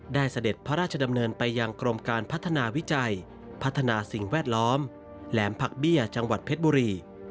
เสด็จพระราชดำเนินไปยังกรมการพัฒนาวิจัยพัฒนาสิ่งแวดล้อมแหลมผักเบี้ยจังหวัดเพชรบุรี